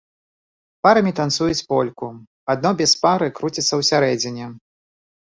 Парамі танцуюць польку, адно без пары круціцца ўсярэдзіне.